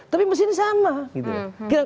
tapi mesinnya sama gitu loh